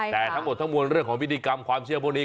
แต่ทั้งหมดทั้งมวลเรื่องของพิธีกรรมความเชื่อพวกนี้